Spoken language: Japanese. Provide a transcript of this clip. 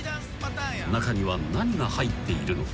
［中には何が入っているのか？］